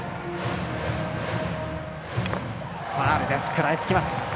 ファウル、食らいつきます。